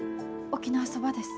沖縄そばです。